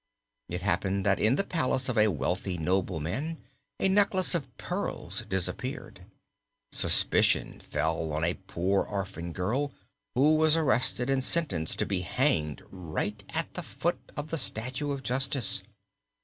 "It happened that in the palace of a wealthy nobleman a necklace of pearls disappeared. Suspicion fell on a poor orphan girl, who was arrested and sentenced to be hanged right at the foot of the statue of Justice.